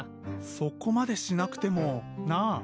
そこまでしなくても。なあ？